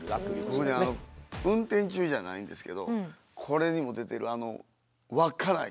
僕ねあの運転中じゃないんですけどこれにも出ているあの稚内。